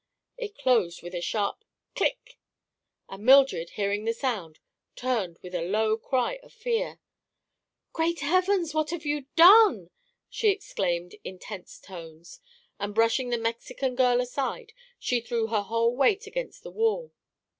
It closed with a sharp "click!" and Mildred, hearing the sound, turned with a low cry of fear. "Great heavens, what have you done?" she exclaimed in tense tones and brushing the Mexican aside she threw her whole weight against the wall.